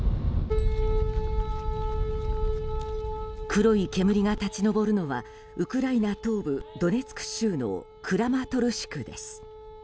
黒い煙が立ち上るのはウクライナ東部ドネツク州のクラマトルシクです。